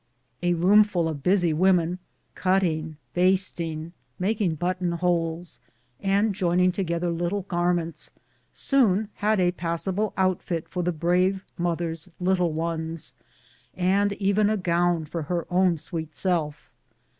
A roomful of busy women, cutting, basting, making button holes, and joining to gether little garments, soon had a passable outfit for the brave niotlier's little ones, and even a gown for her own sweet self.